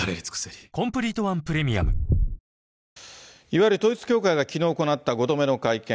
いわゆる統一教会がきのう行った５度目の会見。